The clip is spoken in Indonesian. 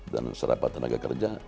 dan serapa tenaga kerja